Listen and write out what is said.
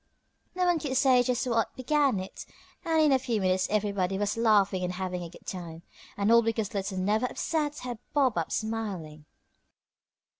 No one could say just what began it, and in a few minutes everybody was laughing and having a good time, and all because Little Never upset had bobbed up smiling.